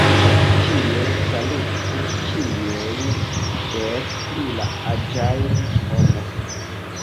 Ĉie salutu ĉiujn, des pli la aĝajn homojn.